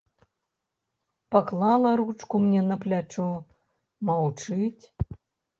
Паклала ручку мне на плячо, маўчыць.